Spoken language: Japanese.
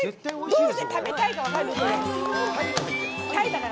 どうして「食べタイ」か分かる？